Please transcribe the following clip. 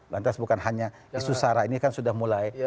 lantas bukan hanya isu sara ini kan sudah mulai